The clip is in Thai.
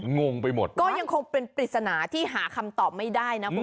ก็นั่งเป็นมันเปรียบริษณะที่หาคำตอบไม่ได้นะ